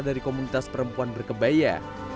dari komunitas perempuan berkebaya